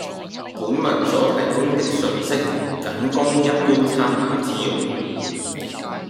本文所提供的信息僅供一般參考之用